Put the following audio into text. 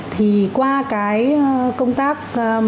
thì qua cái công tác